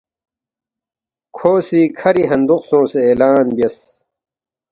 کھو سی کَھری ہندوق سونگسے اعلان بیاس،